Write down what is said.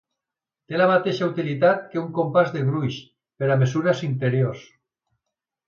Té la mateixa utilitat que un compàs de gruix, per a mesures interiors.